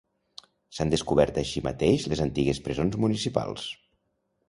S'han descobert així mateix les antigues presons municipals.